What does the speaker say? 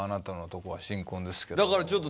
だからちょっと。